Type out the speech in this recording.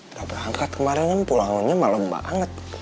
udah berangkat kemarin pulangnya malem banget